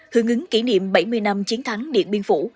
hướng ứng kỷ niệm bảy mươi năm chiến thắng điện biên phủ